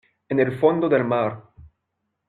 en el fondo del mar.